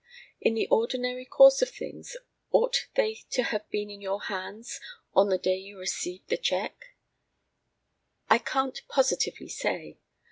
In the ordinary course of things, ought they to have been in your hands on the day you received the cheque? I can't positively say.